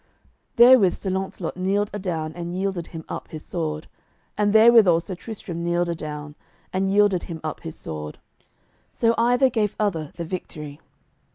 Therewith Sir Launcelot kneeled adown, and yielded him up his sword. And therewithal Sir Tristram kneeled adown, and yielded him up his sword. So either gave other the victory.